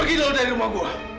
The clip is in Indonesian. pergi loh dari rumah gue